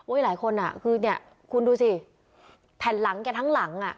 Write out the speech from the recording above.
หลายคนอ่ะคือเนี่ยคุณดูสิแผ่นหลังแกทั้งหลังอ่ะ